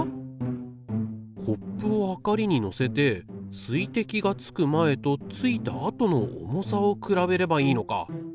コップをはかりに載せて水滴がつく前とついた後の重さを比べればいいのか。